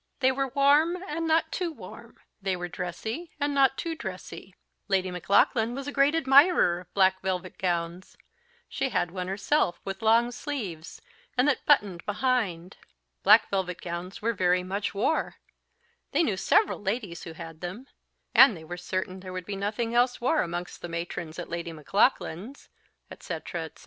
They were warm, and not too warm; they were dressy, and not too dressy; Lady Maclaughlan was a great admirer of black velvet gowns; she had one herself with long sleeves, and that buttoned behind; black velvet gowns were very much wore; they knew several ladies who had them; and they were certain there would be nothing else wore amongst the matrons at Lady Maclaughlan's, etc. etc.